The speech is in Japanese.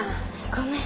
ごめん。